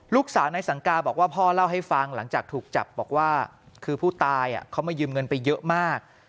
ลูกสาวในสังกาบอกว่าพ่อเล่าให้ฟังหลังจากถูกจับบอกว่าคือผู้ตายเขามายืมเงินไปเยอะมาก